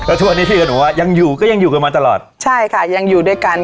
ทุกวันนี้พี่กับหนูว่ายังอยู่ก็ยังอยู่กันมาตลอดใช่ค่ะยังอยู่ด้วยกัน